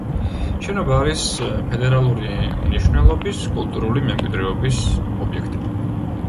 შენობა არის ფედერალური მნიშვნელობის კულტურული მემკვიდრეობის ობიექტი.